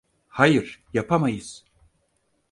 Hayır, yapamayız.